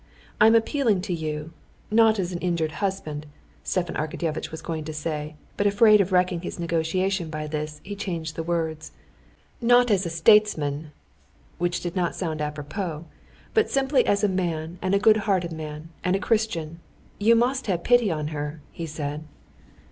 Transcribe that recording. I'm appealing to you" ("not as an injured husband," Stepan Arkadyevitch was going to say, but afraid of wrecking his negotiation by this, he changed the words) "not as a statesman" (which did not sound à propos), "but simply as a man, and a good hearted man and a Christian. You must have pity on her," he said.